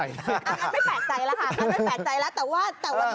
ไม่แปลกใจแล้วแต่ว่า